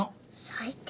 最低。